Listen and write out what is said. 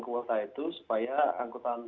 kuota itu supaya angkutan